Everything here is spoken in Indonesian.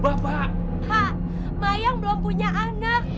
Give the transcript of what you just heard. bapak hang belum punya anak